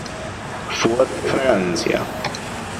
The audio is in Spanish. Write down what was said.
Fuerte fragancia.